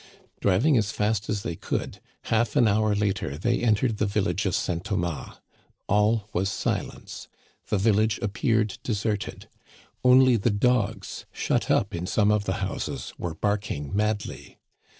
Driving as fast as they could, half an hour later they entered the village of St. Thomas. All was silence. The village appeared deserted. Only the dogs, shut up in some of the houses, were barking madly.